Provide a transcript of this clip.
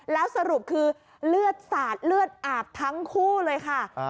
แล้วสรุปคือเลือดสาดเลือดอาบทั้งคู่เลยค่ะ